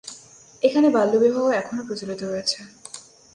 এখানে বাল্যবিবাহ এখনও প্রচলিত রয়েছে।